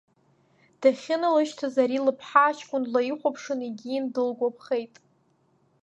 Дахьыналышьҭыз ари лыԥҳа аҷкәын длаихәаԥшын егьин, дылгәаԥхеит.